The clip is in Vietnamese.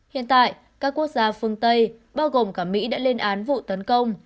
hiện tại các quốc gia phương tây bao gồm cả mỹ đã lên án vụ tấn công